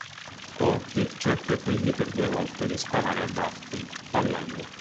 Porky cerca quindi per due volte di sparare a Daffy, fallendo.